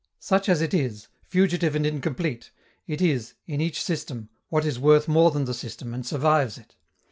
Such as it is, fugitive and incomplete, it is, in each system, what is worth more than the system and survives it.